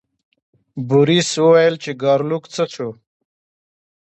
بوریس وویل چې ګارلوک څه شو.